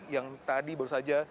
yang tadi baru saja